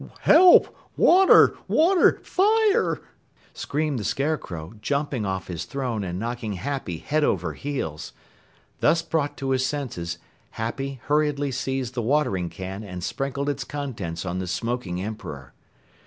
"Help! Water! Water! Fire!" screamed the Scarecrow, jumping off his throne and knocking Happy head over heels. Thus brought to his senses, Happy hurriedly seized the watering can and sprinkled its contents on the smoking Emperor.